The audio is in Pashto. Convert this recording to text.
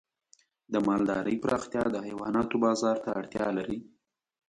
د مالدارۍ پراختیا د حیواناتو بازار ته اړتیا لري.